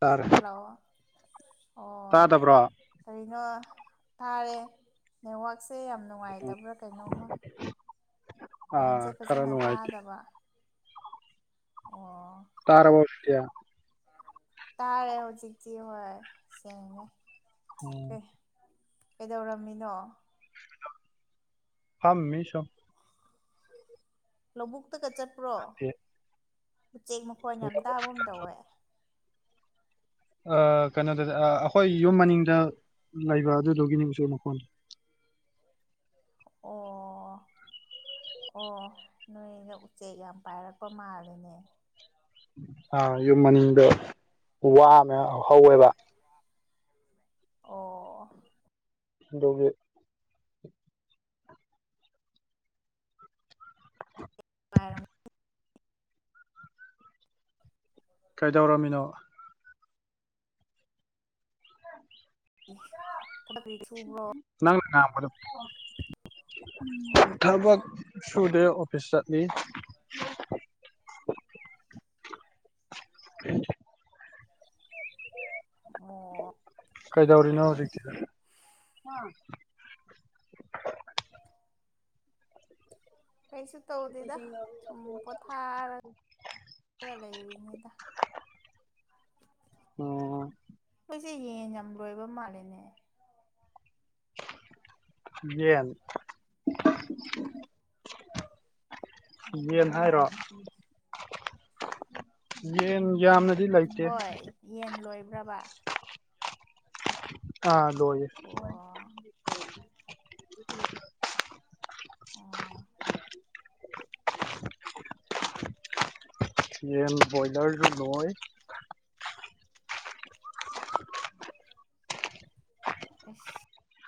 ꯇꯥꯔꯦ ꯍꯜꯂꯣ ꯑꯣ ꯇꯥꯗꯕ꯭ꯔꯣ ꯊꯥꯔꯦ ꯅꯦꯠꯋꯥꯛꯁꯦ ꯌꯥꯝ ꯅꯨꯡꯉꯥꯏꯇꯕ꯭ꯔꯥ ꯀꯩꯅꯣꯝꯃ ꯑꯥ ꯐꯣꯟꯁꯦ ꯈꯔ ꯐꯖꯅ ꯅꯨꯡꯉꯥꯏꯇꯦ ꯇꯥꯗꯕ ꯑꯣ ꯇꯥꯕꯣ ꯇꯥꯔꯦ ꯍꯧꯖꯤꯛꯇꯀꯤ ꯍꯣꯏ ꯁꯦꯡꯅꯦ ꯑꯣ ꯀꯩꯗꯧꯔꯝꯃꯤꯅꯣ ꯍꯥꯃꯤ ꯃꯤ ꯁꯨꯝ ꯂꯧꯕꯨꯛꯇꯒ ꯆꯠꯄ꯭ꯔꯣ ꯎꯆꯦꯛ ꯃꯈꯣꯟ ꯌꯥꯝ ꯇꯥꯕꯨꯝ ꯇꯧꯋꯦ ꯑ ꯀꯩꯅꯣꯗꯗꯤ ꯑꯩꯈꯣꯏ ꯌꯨꯝ ꯃꯅꯤꯡꯗ ꯂꯩꯕ ꯑꯗꯨꯗꯨꯒꯤꯅꯤ ꯃꯆꯁꯨ ꯃꯈꯣꯟꯗ ꯑꯣ ꯑꯣ ꯅꯣꯏꯅ ꯎꯆꯦꯛ ꯌꯥꯝ ꯄꯥꯏꯔꯛꯄ ꯃꯥꯜꯂꯦꯅꯦ ꯑꯥ ꯌꯨꯝ ꯃꯅꯤꯡꯗꯣ ꯋꯥꯃꯦ ꯍꯧꯋꯦꯕ ꯑꯣ ꯗꯨꯒꯤ [unintelligible] ꯀꯩꯗꯧꯔꯝꯃꯤꯅꯣ ꯊꯕꯛ ꯀꯔꯤ ꯁꯨꯕ꯭ꯔꯣ [unintelligible] ꯊꯕꯛ ꯁꯨꯗꯦ ꯑꯣꯐꯤꯁ ꯆꯠꯂꯤ ꯎꯝ [unintelligible] ꯀꯩꯗꯧꯔꯤꯅꯣ ꯍꯧꯖꯤꯛꯇ ꯀꯩꯁꯨ ꯇꯧꯗꯦꯗ ꯁꯨꯝ ꯄꯣꯊꯥꯔꯒ ꯈꯔ ꯂꯩꯔꯤꯉꯗ ꯑꯣ ꯏꯁꯦ ꯌꯦꯡ ꯌꯥꯝ ꯂꯣꯏꯕ ꯃꯥꯜꯂꯦꯅꯦ ꯌꯦꯅ ꯌꯦꯟ ꯍꯥꯏꯔꯣ ꯎꯝ ꯌꯦꯟ ꯌꯥꯝꯅ ꯍꯣꯏ ꯌꯦꯟ ꯂꯣꯏꯕ꯭ꯔꯕ ꯑꯥ ꯂꯣꯏ ꯑꯣ ꯑꯣ [unintelligible] [unintelligible] [unintelligible] [unintelligible]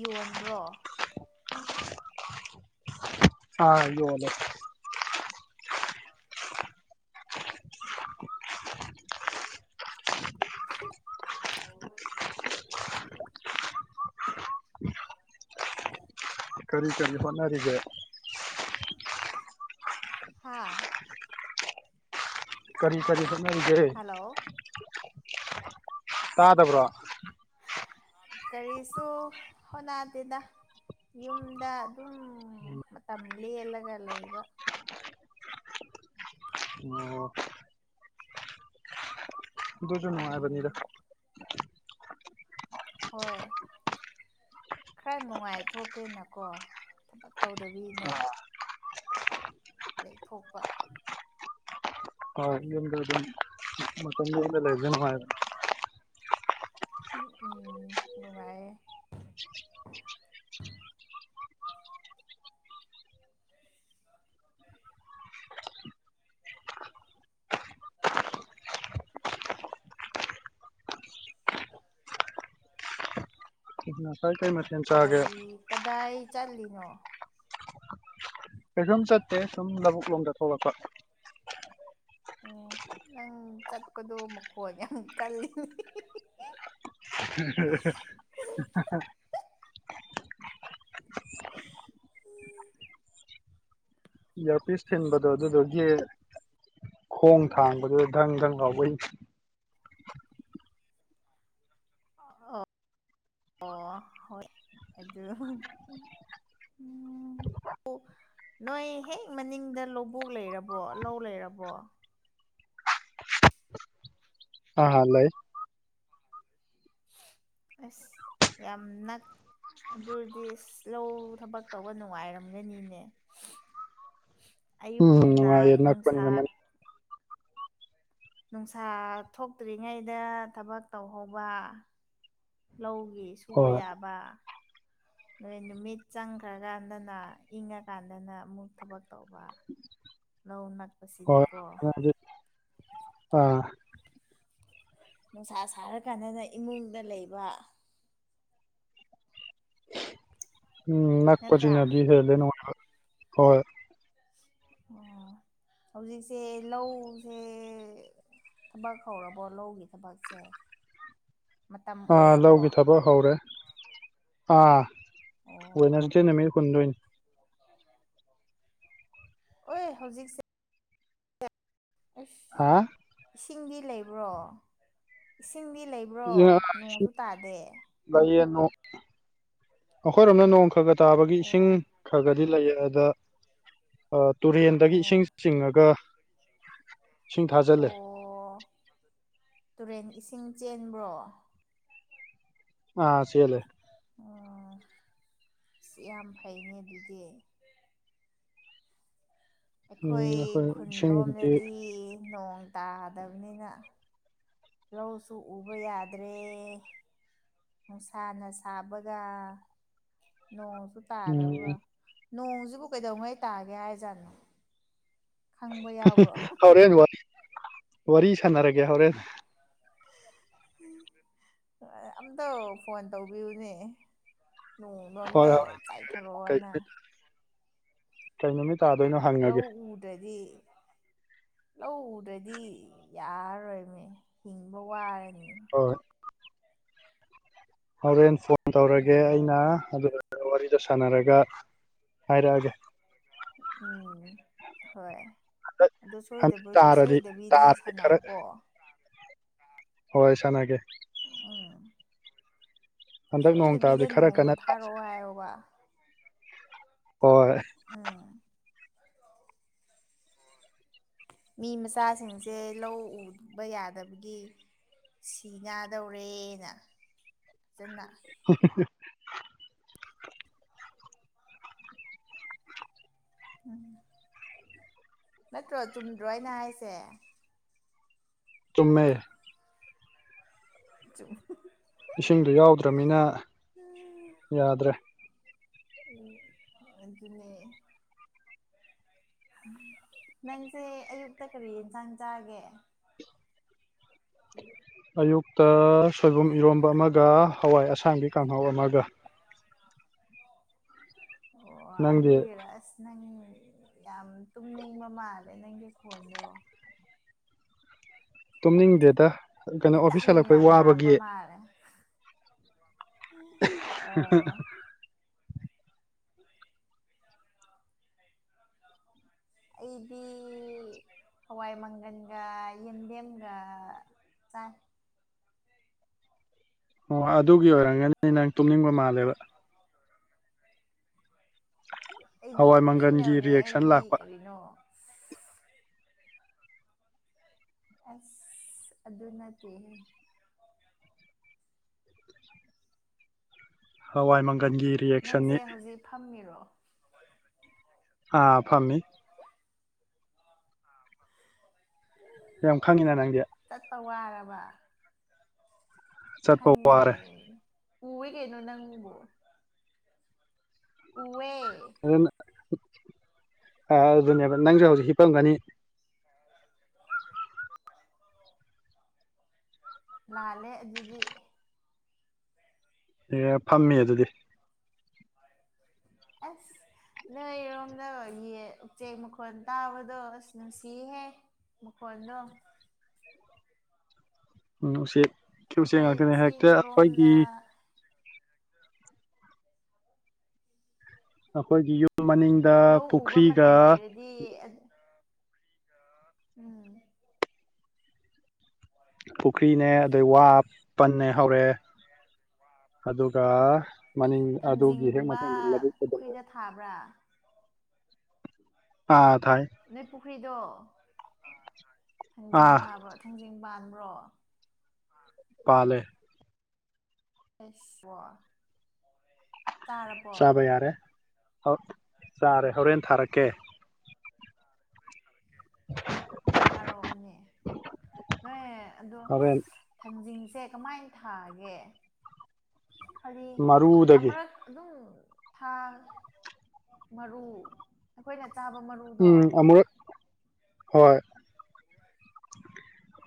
ꯌꯣꯟꯕ꯭ꯔꯣ ꯑ ꯌꯣꯜꯂꯦ [unintelligible] ꯀꯔꯤ ꯀꯔꯤ ꯍꯣꯠꯅꯔꯤꯒꯦ ꯍꯥ ꯀꯔꯤ ꯀꯔꯤ ꯁꯠꯅꯒꯦ ꯍꯜꯂꯣ ꯇꯥꯗꯕ꯭ꯔꯣ ꯀꯔꯤꯁꯨ ꯍꯅꯥ ꯇꯗ ꯌꯨꯝꯗ ꯑꯗꯨꯝ ꯃꯇꯝ ꯂꯦꯜꯂꯒ ꯂꯩꯕ ꯑꯣ ꯗꯨꯖꯨꯅꯅꯨꯡꯉꯥꯏꯕꯅꯤꯔ ꯎꯝ ꯍꯣꯏ ꯈꯔ ꯅꯨꯡꯉꯥꯏ ꯊꯣꯛꯀꯦꯅꯀꯣ ꯊꯕꯛ ꯇꯧꯗꯕꯤꯅ ꯂꯩꯊꯣꯛꯄ ꯍꯣꯏ ꯌꯨꯝꯗ ꯑꯗꯨꯝ ꯃꯇꯝ ꯌꯨꯝꯗ ꯂꯩꯕꯅꯨ ꯍꯥꯏꯗ ꯎꯝ ꯅꯨꯡꯉꯥꯏ [unintelligible] ꯀꯥꯏ ꯀꯥꯏꯦ ꯀꯔꯤ ꯀꯗꯥꯏ ꯆꯠꯂꯤꯅꯣ ꯀꯩꯁꯨꯝ ꯆꯠꯇꯦ ꯁꯨꯝ ꯂꯧꯕꯨꯛ ꯂꯣꯝꯗ ꯊꯣꯛꯂꯛꯄ ꯎꯝ ꯅꯪ ꯆꯠꯄꯗꯣ ꯃꯈꯣꯏ ꯌꯥꯝ ꯀꯜꯂꯤꯅꯦ [unintelligible] ꯌꯥ ꯄꯤꯁ ꯊꯕꯗꯨ ꯑꯗꯨꯗꯒ ꯈꯣꯡ ꯊꯥꯡꯕꯗꯨꯗ ꯙꯪ ꯙꯪ ꯍꯥꯎꯕꯩ [unintelligible] ꯑꯣ ꯍꯣꯏ ꯑꯗꯨ ꯅꯣꯏ ꯍꯦꯛ ꯃꯅꯤꯡꯗ ꯂꯧꯕꯣꯛ ꯂꯩꯔꯕꯣ ꯂꯧ ꯂꯩꯔꯕꯣ ꯑꯥ ꯍꯥ ꯂꯩꯣꯏ [unintelligible] ꯑꯁ ꯌꯥꯝꯅ ꯑꯗꯨꯔꯗꯤ ꯂꯧ ꯊꯕꯛ ꯇꯧꯕ ꯅꯨꯡꯉꯥꯏꯔꯝꯒꯅꯤꯅꯦ ꯑꯌꯨ ꯉ ꯅꯅꯥꯄꯅꯤ ꯅꯅꯤ ꯅꯨꯡꯁꯥ ꯊꯣꯛꯇ꯭ꯔꯤꯉꯩꯗ ꯊꯕꯛ ꯇꯧꯍꯧꯕ ꯂꯧ ꯁꯕꯥ ꯍꯣꯏ ꯌꯥꯕꯕꯥ ꯑꯩ ꯅꯨꯃꯤꯠ ꯆꯪꯈ꯭ꯔꯀꯥꯟꯗꯅ ꯏꯪꯉꯀꯥꯟꯗꯅ ꯑꯃꯨꯛ ꯊꯕꯛ ꯇꯧꯕ ꯂꯧ ꯅꯛꯄꯁꯤꯗꯤ ꯑꯗꯤ ꯑꯥ ꯅꯨꯡꯁꯥ ꯁꯥꯔ ꯀꯥꯟꯗꯗ ꯏꯃꯨꯡꯗ ꯂꯩꯕ ꯎꯝ ꯅꯛꯄꯆ ꯅꯠꯇ꯭ꯔꯥ ꯅꯗꯤ ꯍꯦ ꯂꯩꯅ ꯍꯣꯏ ꯑꯣ ꯍꯧꯖꯤꯛꯁꯦ ꯂꯧꯁꯦ ꯊꯕꯛ ꯍꯧꯔꯕꯣ ꯂꯧꯒꯤ ꯊꯕꯛꯁꯦ ꯃꯇꯝ ꯑꯥ ꯑꯣꯏꯔꯕꯣ ꯂꯧꯒꯤ ꯊꯕꯛ ꯍꯧꯔꯦ ꯑꯥ ꯑꯣ ꯋꯟꯅꯁꯗꯦ ꯅꯨꯃꯤꯠ ꯀꯨꯟꯗꯣꯏꯅꯤ ꯑꯣꯏꯣꯏ ꯍꯧꯖꯤꯛꯁꯦ ꯑꯁ ꯍꯥ ꯏꯁꯤꯡꯗꯤ ꯂꯩꯕ꯭ꯔꯣ ꯏꯁꯤꯡ ꯅꯈꯣꯏꯔꯣꯅ ꯅꯣꯡ ꯈꯒ ꯇꯥꯕꯒꯤ ꯏꯁꯤꯡ ꯑꯣ ꯈꯒꯗꯤ ꯂꯩ ꯑꯗ ꯇꯨꯔꯦꯟꯗꯒꯤ ꯑꯣ ꯏꯁꯤꯡ ꯆꯤꯡꯉꯒ ꯁꯤꯡ ꯊꯥꯖꯤꯜꯂꯦ ꯑꯣ ꯁꯤꯡ ꯆꯦꯟꯕ꯭ꯔꯣ ꯑ ꯁꯤ ꯂꯩꯦ ꯑꯣ ꯌꯥꯝ ꯐꯩꯅꯦ ꯑꯗꯨꯗꯤ ꯎꯝ ꯑꯩꯈꯣꯏ ꯈꯨꯟ ꯏꯁꯤꯡꯗꯤ ꯂꯣꯝꯗꯗꯤ ꯅꯣꯡ ꯇꯥꯗꯕꯅꯤꯅ ꯂꯧꯁꯨ ꯎꯕ ꯌꯥꯗ꯭ꯔꯦ ꯃꯅꯨꯡꯁꯥꯅ ꯁꯥꯕꯒ ꯇꯥꯗꯕꯒ ꯎꯝ ꯅꯣꯡꯁꯤꯕꯨ ꯀꯩꯗꯧꯉꯩ ꯇꯥꯒꯦ ꯍꯥꯏꯖꯥꯠꯅꯣ ꯈꯪꯕ ꯌꯥꯎꯕ꯭ꯔꯣ ꯍꯣꯔꯦꯟ ꯋꯥꯔꯤ ꯁꯥꯟꯅꯔꯒꯦ ꯍꯣꯔꯦꯟ ꯑꯝꯇ ꯐꯣꯟ ꯇꯧꯕꯤꯌꯨꯅꯦ ꯅꯣꯡꯗꯣ ꯍꯣꯏ ꯑꯝꯇ ꯆꯥꯏꯊꯔꯛꯑꯣꯅ ꯇꯥꯏ ꯅꯨꯃꯤꯠ ꯇꯥꯗꯣꯏꯅꯣ ꯂꯧ ꯍꯪꯉꯒꯦ ꯎꯗ꯭ꯔꯗꯤ ꯂꯧꯗ꯭ꯔꯗꯤ ꯌꯥꯔꯣꯏꯅꯦ ꯍꯤꯡꯕ ꯋꯥꯔꯅꯤ ꯑꯣ ꯍꯣꯔꯦꯟ ꯐꯣꯟ ꯇꯧꯔꯒꯦ ꯑꯩꯅ ꯎꯝ ꯑꯗꯨ ꯋꯥꯔꯤ ꯁꯥꯟꯅꯔꯒ ꯍꯥꯏꯔꯛꯑꯒꯦ ꯎꯝ ꯍꯣꯏ ꯍꯟꯗꯛ ꯑꯗꯣ ꯍꯟꯗꯛ ꯁꫭꯏꯗꯕꯩ ꯇꯥꯔꯗꯤ ꯁꯣꯏꯗꯕꯤꯗꯤ ꯇꯥꯔꯗꯤ ꯈꯔ ꯁꯥꯟꯅꯧꯀꯣ ꯍꯣꯏ ꯁꯥꯅꯒꯦ ꯑ ꯍꯟꯗꯛ ꯅꯣꯡ ꯇꯥꯕꯗꯤ ꯁꯣꯏꯗꯕꯤꯗ ꯈꯔ ꯅꯣꯡꯗꯣ ꯀꯟꯅ ꯇꯥꯁꯦ ꯊꯥꯔꯛꯑꯣ ꯍꯥꯏꯌꯣꯕ ꯍꯣꯏ ꯎꯝ ꯃꯤ ꯃꯆꯥꯁꯤꯡꯁꯦ ꯂꯧ ꯎꯕ ꯌꯥꯗꯕꯒꯤ ꯁꯤ ꯗꯧꯔꯦꯅ ꯐꯖꯅ [inaudible] ꯎ ꯅꯠꯇ꯭ꯔꯣ ꯆꯨꯝꯗ꯭ꯔꯣꯅ ꯍꯥꯏꯁꯦ ꯆꯨꯝꯃꯦ ꯆꯨꯝ ꯏꯁꯤꯡꯗ ꯌꯥꯎꯗ꯭ꯔꯅꯤꯅ ꯌꯥꯗ꯭ꯔꯦ ꯎꯝ ꯑꯗꯨ ꯑꯗꯨꯅꯦ ꯅꯪꯁꯦ ꯑꯌꯨꯛꯇ ꯀꯔꯤ ꯌꯦꯟꯁꯥꯡ ꯆꯥꯒꯦ ꯎ ꯑꯌꯨꯛꯇ ꯁꯣꯏꯕꯨꯝ ꯏꯔꯣꯝꯕ ꯑꯃꯒ ꯍꯋꯥꯏ ꯑꯁꯥꯡꯕꯤ ꯀꯥꯡꯍꯧ ꯑꯃꯒ ꯑꯣ ꯅꯪꯗꯤ ꯑꯗꯨꯏꯔ ꯑꯁ ꯅꯪ ꯌꯥꯝ ꯇꯨꯝꯅꯤꯡꯕ ꯃꯥꯜꯂꯦ ꯅꯪꯒꯤ ꯐꯣꯟꯗꯣ ꯇꯨꯝꯅꯤꯡꯗꯦꯗ ꯀꯩꯅꯣ ꯑꯣꯐꯤꯁ ꯚꯇꯥꯃꯤꯤꯟ ꯌꯥꯝ ꯍꯜꯂꯛꯄꯩ ꯌꯥꯝꯅꯥꯛꯀ ꯋꯥꯕꯒꯤ ꯃꯥꯔꯦ [inaudible] ꯑꯩꯗꯤ ꯍꯋꯥꯏ ꯃꯪꯒꯟꯒ ꯌꯦꯟꯗꯦꯝꯒ ꯆꯥꯏ ꯑꯣ ꯑꯗꯨꯒꯤ ꯑꯣꯏꯔꯝꯒꯅꯤ ꯅꯪ ꯇꯨꯝꯅꯤꯡꯕ ꯃꯥꯜꯂꯦꯕ ꯑꯩꯗꯤ ꯍꯋꯥꯏ ꯃꯪꯒꯟꯒꯤ ꯇꯨꯝꯅꯤꯡꯗꯕꯅꯦ ꯔꯤꯌꯦꯛꯁꯟ ꯑꯩꯗꯤ ꯂꯥꯛꯄ ꯀꯔꯤꯅꯣ ꯑꯁ ꯑꯗꯨ ꯑꯗꯨꯅꯗꯤ ꯍꯋꯥꯏ ꯃꯪ ꯅꯪꯁꯦ ꯍꯧꯖꯤꯛ ꯐꯝꯃꯤꯔꯣ ꯑꯥ ꯐꯝꯃꯤꯃꯤ ꯌꯥꯝ ꯌꯥꯝ ꯈꯪꯉꯤꯅ ꯅꯪꯗꯤ ꯇꯋꯥꯔꯕ ꯆꯠꯄ ꯍꯪꯉꯦ ꯋꯥꯔꯦ ꯎꯋꯦ ꯀꯩꯅꯣ ꯅꯪꯕꯨ ꯎꯋꯦ ꯑ ꯑꯗꯨꯅꯦꯕ ꯅꯪꯁꯨ ꯍꯧꯖꯤꯛ ꯍꯤꯞꯄꯝꯒꯅꯤ ꯂꯥꯂꯦ ꯑꯗꯨꯗꯤ ꯑꯦ ꯐꯝꯃꯤ ꯑꯗꯨꯗꯤ ꯑ ꯅꯣꯏꯔꯣꯝꯗ ꯎꯆꯦꯛ ꯃꯈꯣꯟꯜ ꯇꯥꯕꯗꯣ ꯑꯁ ꯅꯨꯡꯁꯤꯍꯦ ꯃꯀꯗꯣ ꯎꯝ ꯎꯆꯦꯛ ꯎꯆꯦꯛ ꯑꯩꯈꯣꯏ ꯉꯥꯛꯇꯅꯦ ꯍꯦꯛꯇ ꯑꯩꯈꯣꯏꯒꯤ ꯆꯤꯡꯔꯣꯝꯗ ꯑꯩꯈꯣꯏꯒꯤ ꯌꯨꯝ ꯃꯅꯤꯡꯗ ꯂꯧ ꯎꯕ ꯄꯨꯈ꯭ꯔꯤꯒ ꯃꯇꯝ ꯑꯣꯏꯔꯗꯤ ꯎꯝ ꯄꯨꯈ꯭ꯔꯤꯅꯦ ꯑꯗꯩ ꯋꯥꯄꯟꯅꯦ ꯍꯧꯔꯛꯑꯦ ꯑꯗꯨꯒ ꯃꯅꯤꯡ ꯑꯗꯨꯒꯤ ꯍꯦꯛ ꯊꯥꯡꯖꯤꯡꯒꯨꯝꯕ ꯃꯊꯪꯗ ꯂꯧꯕꯨꯛꯄꯗ ꯄꯨꯈ꯭ꯔꯤꯗ ꯊꯥꯕ꯭ꯔꯥ ꯑꯥ ꯊꯥꯏ ꯅꯣꯏ ꯄꯨꯈ꯭ꯔꯤꯗꯣ ꯊꯥꯡꯖꯤꯡ ꯑꯥ ꯊꯥꯕ꯭ꯔꯣ ꯊꯥꯡꯖꯤꯡ ꯄꯥꯟꯕ꯭ꯔꯣ ꯄꯥꯂꯦ ꯇꯥꯔꯕꯣ ꯆꯥꯕ ꯌꯥꯔꯦ ꯆꯥꯔꯦ ꯍꯣꯔꯦꯟ ꯊꯥꯔꯛꯀꯦ ꯊꯔꯛꯑꯣꯅꯦ ꯅꯣꯏ ꯑꯗꯣ ꯍꯣꯔꯦꯟ ꯊꯥꯡꯖꯤꯡ ꯁꯦ ꯀꯃꯥꯏꯅ ꯊꯥꯒꯦ ꯍꯥꯏꯗꯤ ꯃꯔꯨꯗꯒꯤ ꯑꯃꯨꯔꯛ ꯑꯗꯨꯝ ꯊꯥ ꯃꯔꯨ ꯑꯩꯈꯣꯏꯅ ꯆꯥꯕ ꯃꯔꯨꯗꯣ ꯎꯝ ꯑꯃꯨꯔꯛ ꯍꯣꯏ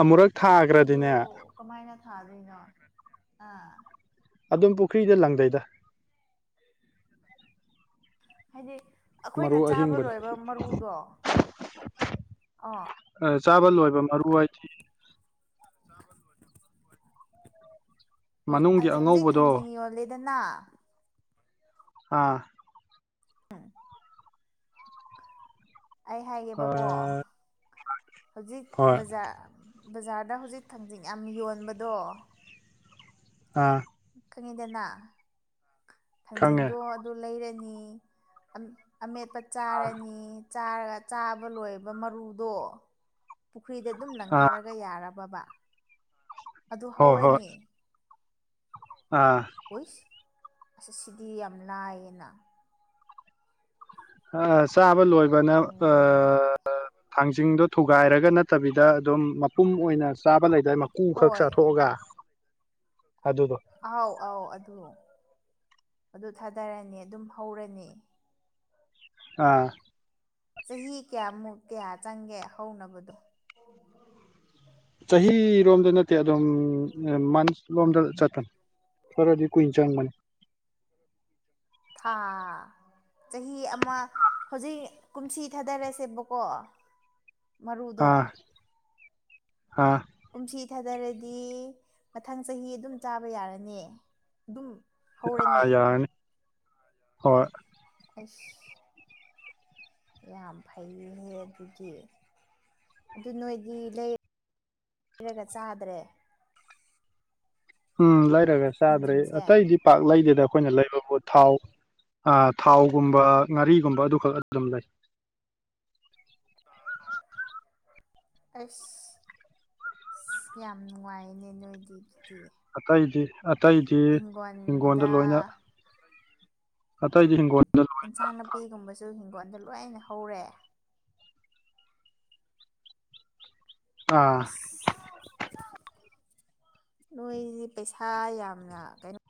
ꯑꯃꯨꯔꯛ ꯊꯥꯈ꯭ꯔꯗꯤꯅꯦ ꯊꯗꯅꯣ ꯑ ꯑꯗꯨꯝ ꯄꯨꯈ꯭ꯔꯤꯗ ꯂꯪꯗꯣꯏꯗ ꯍꯥꯏꯗꯤ ꯑꯩꯈꯣꯏꯅ ꯃꯔꯨ ꯆꯥꯕ ꯑꯍꯤꯡꯕꯗꯣ ꯂꯣꯏꯕ ꯃꯔꯨꯗꯣ ꯑ ꯆꯥꯕ ꯂꯣꯏꯕ ꯃꯔꯨ ꯍꯥꯏꯗꯤ ꯆꯥ ꯃꯅꯨꯡꯒꯤ ꯍꯧꯖꯤꯛ ꯑꯉꯧꯕꯗꯣ ꯊꯥꯡꯖꯤꯡ ꯌꯣꯜꯂꯦꯗꯅ ꯑꯥ ꯑꯩ ꯍꯥꯏꯒꯦꯕꯀꯣ ꯍꯣꯏ ꯍꯧꯖꯤꯛꯕꯖꯥ ꯕꯖꯥꯔꯗ ꯍꯧꯖꯤꯛ ꯊꯥꯡꯖꯤꯡ ꯌꯥꯝ ꯌꯣꯟꯕꯗꯣ ꯑ ꯈꯪꯉꯤꯗꯅ ꯈꯪꯉꯦ ꯊꯥꯡꯖꯤꯡꯗꯣ ꯑꯗꯨ ꯂꯩꯔꯅꯤ ꯑꯃꯦꯠꯄ ꯆꯥꯔꯅꯤ ꯆꯥꯔꯒ ꯆꯥꯕ ꯂꯣꯏꯕ ꯃꯔꯨꯗꯣ ꯈꯨꯨꯏꯗ ꯑꯗꯨꯝ ꯑꯥ ꯂꯪꯊꯔꯒ ꯌꯥꯔꯕꯕ ꯑꯗꯨ ꯍꯣꯏ ꯍꯧꯔꯅꯤ ꯑꯥ ꯎꯏꯁ ꯑꯁ ꯁꯤꯗꯤ ꯌꯥꯝ ꯂꯅꯥꯥꯏꯏꯌꯦꯅ ꯑ ꯆꯥꯕ ꯂꯣꯏꯕꯅ ꯑ ꯎꯝ ꯊꯥꯡꯖꯤꯡꯗꯣ ꯊꯨꯒꯥꯏꯔꯒ ꯅꯠꯇꯕꯤꯗ ꯑꯗꯨꯝ ꯃꯄꯨꯝ ꯑꯣꯏꯅ ꯆꯥꯕ ꯂꯩ ꯑꯗꯨꯗꯩ ꯃꯀꯨ ꯈꯛ ꯍꯣꯏ ꯆꯥꯊꯣꯛꯑꯒ ꯑꯗꯨꯗꯣ ꯑꯥꯎ ꯑꯥꯎ ꯑꯗꯨ ꯑꯗꯨ ꯊꯥꯗꯔꯅꯤ ꯑꯗꯨꯝ ꯍꯧꯔꯅꯤ ꯑꯥ ꯆꯍꯤ ꯀꯌꯥꯃꯨꯛ ꯀꯌꯥ ꯆꯪꯒꯦ ꯍꯧꯅꯕꯗꯣ ꯆꯍꯤꯔꯣꯝꯗ ꯅꯠꯇꯦ ꯑꯗꯨꯝ ꯃꯟ ꯂꯣꯝꯗ ꯆꯠꯇꯅꯤ ꯈꯔꯗꯤ ꯀꯨꯏꯅ ꯆꯪꯕꯅꯤ ꯊꯥ ꯆꯍꯤ ꯑꯃ ꯍꯧꯖꯤꯛ ꯀꯨꯝꯁꯤ ꯊꯥꯗꯔꯁꯦꯕꯀꯣ ꯃꯔꯨꯗꯣ ꯑ ꯀꯨꯝꯁꯤ ꯊꯥꯗꯔꯗꯤ ꯃꯊꯪ ꯆꯍꯤ ꯑꯗꯨꯝ ꯆꯥꯕ ꯌꯥꯔꯅꯤ ꯑꯗꯨꯝ ꯑꯥ ꯍꯧꯔꯅꯤ ꯌꯥꯔꯅꯤ ꯍꯣꯏ ꯑꯁ ꯌꯥꯝ ꯐꯩꯍꯦ ꯑꯗꯨꯗꯤ ꯑꯗꯨ ꯅꯣꯏꯗꯤ ꯂꯩꯔ ꯄꯤꯔꯥꯒ ꯆꯥꯗ꯭ꯔꯦ ꯎꯝ ꯂꯩꯔꯒ ꯆꯥꯗ꯭ꯔꯦ ꯊꯥꯡꯖꯤꯡꯁꯦ ꯑꯇꯩꯗꯤ ꯄꯥꯛ ꯂꯩꯗꯦꯗ ꯑꯩꯈꯣꯏꯅ ꯂꯩꯕꯕꫭ ꯊꯥꯎ ꯑꯥ ꯊꯥꯎ ꯒꯨꯝꯕ ꯉꯥꯔꯤꯒꯨꯝꯕ ꯑꯗꯨꯈꯛ ꯑꯗꯨ ꯒꯨꯝꯕ ꯂꯩ [inaudible] ꯑꯁ ꯌꯥꯝ ꯅꯨꯡꯉꯥꯏꯅꯦ ꯅꯣꯏꯗꯤ ꯑꯗꯨꯗꯤ ꯑꯇꯩꯗꯤ ꯑꯇꯩꯗꯤ ꯍꯤꯡꯒꯣꯟꯜꯗ ꯍꯤꯡꯒꯣꯜꯗ ꯂꯣꯏꯅ ꯑꯠꯇꯩꯗꯤ ꯍꯤꯡꯒꯣ ꯏꯟꯁꯥꯡ ꯅꯥꯄꯤꯒꯨꯝꯕꯁꯨ ꯍꯤꯡꯒꯣꯜꯗ ꯂꯣꯏꯅ ꯍꯧꯔꯦ ꯑꯥ ꯅꯣꯏꯖꯤꯗꯤ ꯄꯩꯁꯥ ꯌꯥꯝꯅ ꯀꯩꯅꯣ